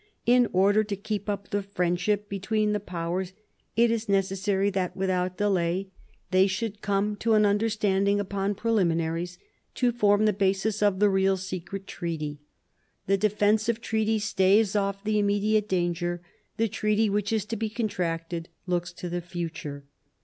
" In order to keep up the friendship between the Powers, it is necessary that without delay they should come to 112 MARIA THERESA chap, v an understanding upon preliminaries to form the basis of the real secret treaty. The defensive treaty staves off the immediate danger, the treaty which is to be contracted looks to the future."